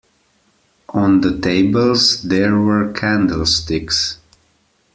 On the tables there were candlesticks.